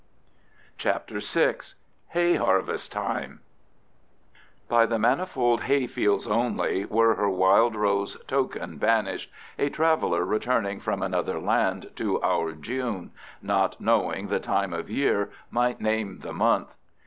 CHAPTER VI. HAY HARVEST TIME By the manifold hayfields only, were her wild rose token banished, a traveler returning from another land to our June, not knowing the time of year, might name the month.